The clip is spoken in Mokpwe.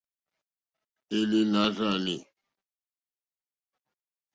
Èlèlà rzàlì.